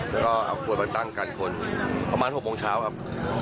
แล้วก็เอาขวดมาตั้งกันคนประมาณ๖โมงเช้าครับ